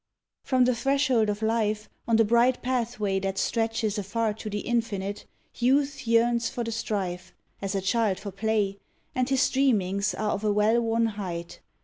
From the threshold of life on the bright pathway that stretches afar to the infinite, Youth yearns for the strife, as a child for play, and his dreamings are of a well won height.